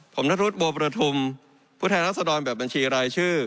ผมนัทรุษโบประธุมผู้แทนราษฎรแบบบัญชีรายชื่อ